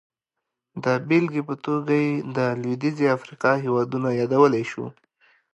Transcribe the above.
د بېلګې په توګه یې د لوېدیځې افریقا هېوادونه یادولی شو.